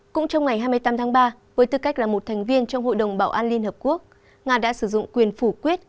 cũng trong ngày hai mươi tám tháng ba với tư cách là một thành viên trong hội đồng bảo an liên hợp quốc nga đã sử dụng quyền phủ quyết